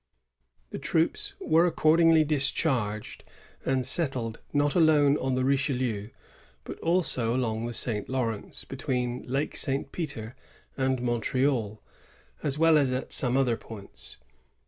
The troops were accordingly discharged, and settled not alone on the Richelieu, but also along the St. Lawrence, between Lake St. Peter and Montreal, as well as at some other points.